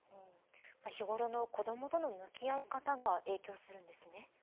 日頃の子どもとの向き合い方が影響するんですね。